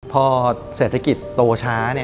พอเศรษฐกิจโตช้า